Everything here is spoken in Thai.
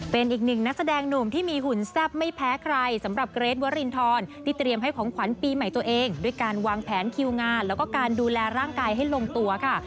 เป็นอีกหนึ่งนักแสดงหนุ่มที่มีหุ่นแซ่บไม่แพ้ใครสำหรับเกรทวรินทรที่เตรียมให้ของขวัญปีใหม่ตัวเองด้วยการวางแผนคิวงานแล้วก็การดูแลร่างกายให้ลงตัวค่ะ